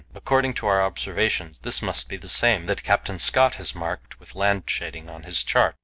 According to our observations this must be the same that Captain Scott has marked with land shading on his chart.